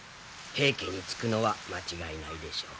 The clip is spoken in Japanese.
平家につくのは間違いないでしょう。